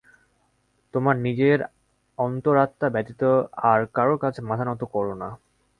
তোমার নিজের অন্তরাত্মা ব্যতীত আর কারও কাছে মাথা নত কর না।